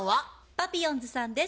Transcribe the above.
パピヨンズさんです。